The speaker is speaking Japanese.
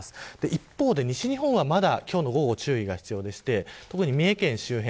一方で西日本は今日の午後、注意が必要で特に三重県周辺。